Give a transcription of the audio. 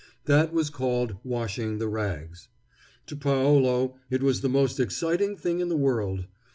That was called washing the rags. To Paolo it was the most exciting thing in the world.